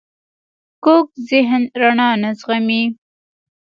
کوږ ذهن رڼا نه زغمي